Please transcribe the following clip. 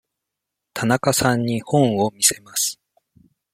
田中さんに本を見せます。